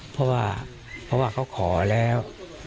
เพราะว่าเพราะว่าเขาขอแล้ว